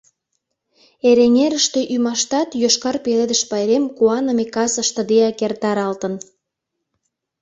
Эреҥерыште ӱмаштат Йошкар пеледыш пайрем куаныме кас ыштыдеак эртаралтын.